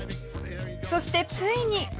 そしてついに。